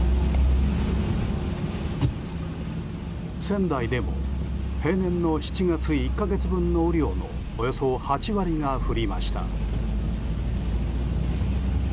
仙台でも平年の７月１か月分の雨量のおよそ８割が降りました。